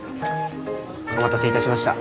お待たせいたしました。